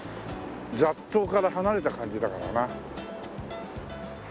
雑踏から離れた感じだからな。